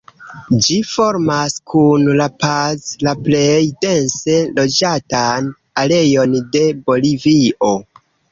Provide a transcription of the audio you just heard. Ĝi formas kun La Paz la plej dense loĝatan areon de Bolivio.